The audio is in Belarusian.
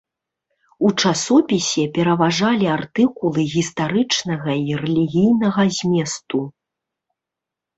У часопісе пераважалі артыкулы гістарычнага і рэлігійнага зместу.